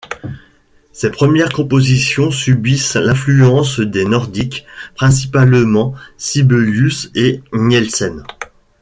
Ses premières compositions subissent l'influence des nordiques, principalement Sibelius et Nielsen.